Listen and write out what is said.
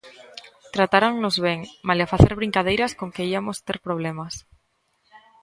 Tratáronnos ben, malia facer brincadeiras con que iamos ter problemas.